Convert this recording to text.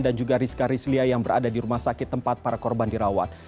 dan juga rizka rizlia yang berada di rumah sakit tempat para korban dirawat